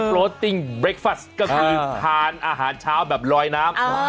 ก็คือทานอาหารเช้าแบบลอยน้ำ